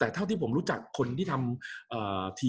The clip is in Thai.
กับการสตรีมเมอร์หรือการทำอะไรอย่างเงี้ย